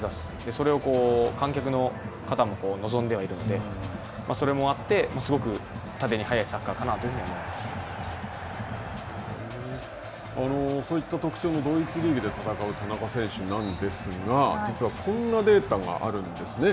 それを観客の方も望んでいるのでそれもあってそういった特徴のドイツリーグで戦う田中選手なんですが実はこんなデータがあるんですね。